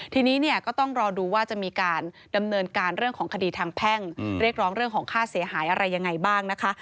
ทีนี้เนี่ยก็ต้องรอดูว่าจะมีการดำเนินการเรื่องของคดีทางแพ่งเรียกร้องเรื่องของค่าเสียหายอะไรยังไงบ้างนะคะ